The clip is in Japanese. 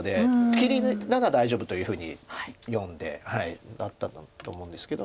切りなら大丈夫というふうに読んでだったんだと思うんですけど。